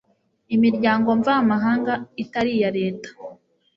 Imiryango mvamahanga itari iya Leta